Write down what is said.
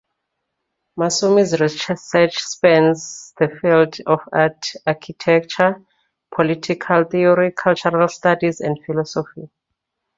Massumi's research spans the fields of art, architecture, political theory, cultural studies and philosophy.